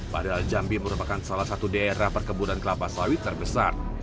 padahal jambi merupakan salah satu daerah perkebunan kelapa sawit terbesar